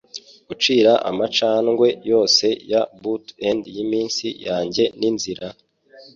Gucira amacandwe yose ya bout-end yiminsi yanjye n'inzira?